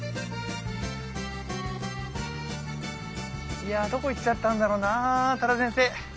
いやどこ行っちゃったんだろうな多田先生。